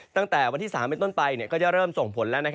ตั้งแต่วันที่๓เป็นต้นไปก็จะเริ่มส่งผลแล้ว